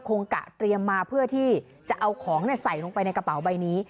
กะเตรียมมาเพื่อที่จะเอาของใส่ลงไปในกระเป๋าใบนี้